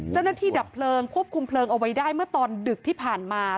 ดับเพลิงควบคุมเพลิงเอาไว้ได้เมื่อตอนดึกที่ผ่านมา